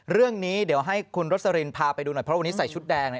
เรื่องนี้เดี๋ยวให้คุณรสลินพาไปดูหน่อยเพราะวันนี้ใส่ชุดแดง